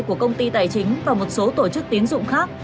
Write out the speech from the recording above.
của công ty tài chính và một số tổ chức tín dụng khác